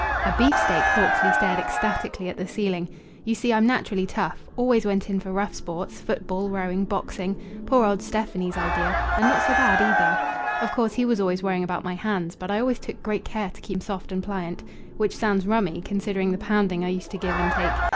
"A beefsteak!" Hawksley stared ecstatically at the ceiling. "You see, I'm naturally tough. Always went in for rough sports football, rowing, boxing. Poor old Stefani's idea; and not so bad, either. Of course he was always worrying about my hands; but I always took great care to keep them soft and pliant. Which sounds rummy, considering the pounding I used to give and take.